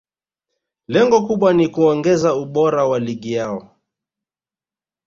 lengo kubwa ni kuongeza ubora wa ligi yao